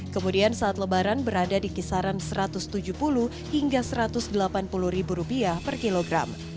kemudian saat lebaran berada di kisaran rp satu ratus tujuh puluh hingga rp satu ratus delapan puluh per kilogram